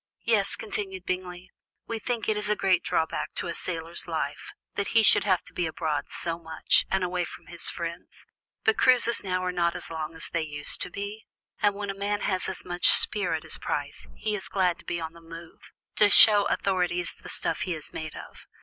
"Yes," continued Bingley, "we think it a great drawback to a sailor's life, that he should have to be abroad so much, and away from his friends; but cruises now are not as long as they used to be, and when a man has as much spirit as Price, he is glad to be on the move, to show authorities the stuff he is made of.